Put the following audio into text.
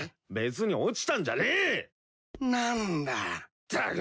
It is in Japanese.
ったく！